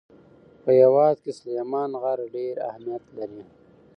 په هېواد کې سلیمان غر ډېر اهمیت لري.